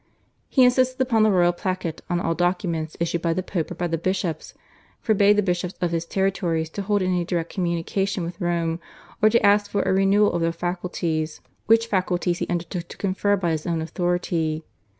He insisted upon the Royal /Placet/ on all documents issued by the Pope or by the bishops, forbade the bishops of his territories to hold any direct communication with Rome or to ask for a renewal of their faculties, which faculties he undertook to confer by his own authority.